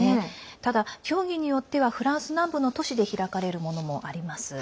ただ、競技によってはフランス南部の都市で開かれるものもあります。